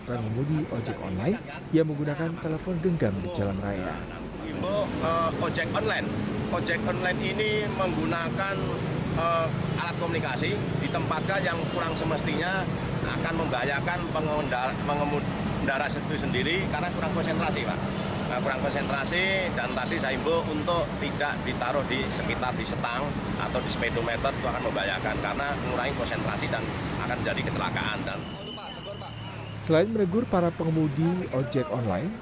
pengemudi ojek online yang sedang menggunakan telepon genggam di jaring polisi